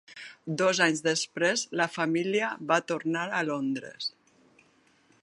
Dos anys després la família va tornar a Londres.